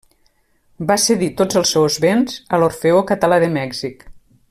Va cedir tots els seus béns a l'Orfeó Català de Mèxic.